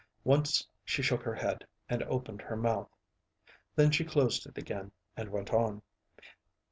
Once she shook her head and opened her mouth. Then she closed it again and went on.